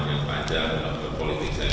ini pengalaman yang panjang untuk politik saya